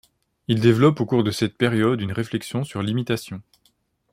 Il développe au cours de cette période une réflexion sur l’imitation.